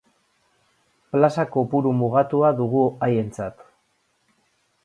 Plaza kopuru mugatua dugu haientzat.